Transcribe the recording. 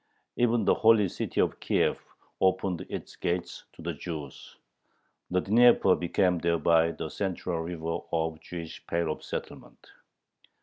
Even the holy city of Kiev opened its gates to the Jews. The Dnieper became thereby the central river of the Jewish Pale of Settlement.